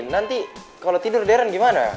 nanti kalau tidur deren gimana